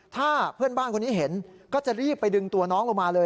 ถ้าเพื่อนบ้านคนนี้เห็นก็จะรีบไปดึงตัวน้องลงมาเลย